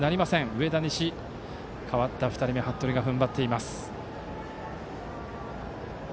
上田西、代わった２人目服部が踏ん張っています。